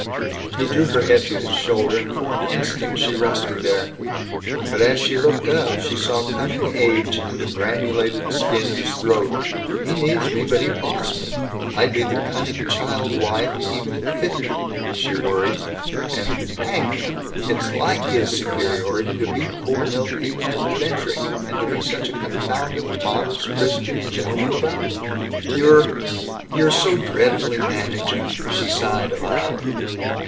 He drew her head to his shoulder, and for an instant she rested there. But as she looked up, she saw coming age in the granulated skin of his throat. "He needs me but he'd boss me. I'd be the cunning child wife, even at fifty," she worried, and "Hang him, it's like his superiority to beat poor Milt even at adventuring and to be such a confounded Modest Christian Gentleman about it!" "You'd you're so dreadfully managing," she sighed aloud.